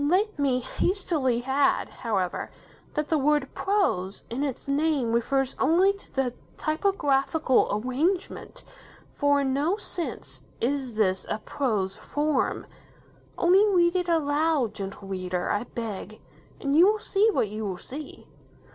Let me hastily add, however, that the word "prose" in its name refers only to the typographical arrangement, for in no sense is this a prose form. Only read it aloud, Gentle Reader, I beg, and you will see what you will see.